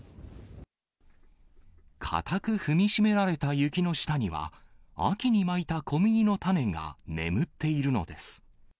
固く踏み締められた雪の下には、秋にまいた小麦の種が眠っているのです。